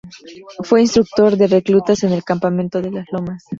Fue instructor de reclutas en el campamento de Las Lomas.